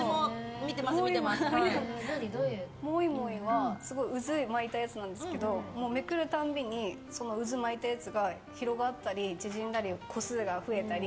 「もいもい」はすごい渦を巻いたやつなんですけどめくる度に、うずまいたやつが広がったり、縮んだり個数が増えたり。